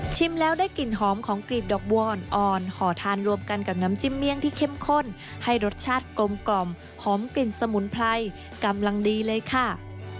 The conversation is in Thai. แล้วได้กลิ่นหอมของกลิ่นดอกบัวอ่อนห่อทานรวมกันกับน้ำจิ้มเมี่ยงที่เข้มข้นให้รสชาติกลมกล่อมหอมกลิ่นสมุนไพรกำลังดีเลยค่ะ